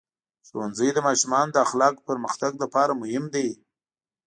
ښوونځی د ماشومانو د اخلاقو د پرمختګ لپاره مهم دی.